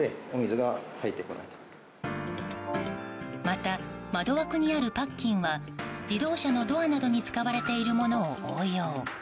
また、窓枠にあるパッキンは自動車のドアなどに使われているものを応用。